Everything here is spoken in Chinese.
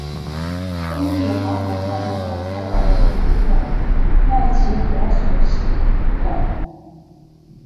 分布于黄河上游和柴达木盆地的奈齐河水系等。